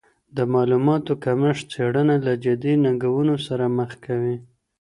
د معلوماتو کمښت څېړنه له جدي ننګونو سره مخ کوي.